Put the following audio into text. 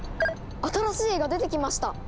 新しい絵が出てきました！